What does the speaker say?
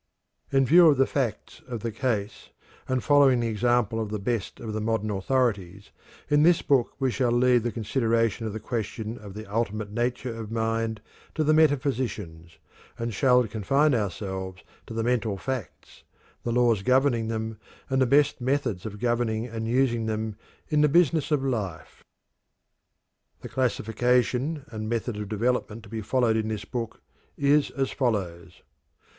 In view of the facts of the case, and following the example of the best of the modern authorities, in this book we shall leave the consideration of the question of the ultimate nature of mind to the metaphysicians, and shall confine ourselves to the mental facts, the laws governing them, and the best methods of governing and using them in "the business of life." The classification and method of development to be followed in this book is as follows: I.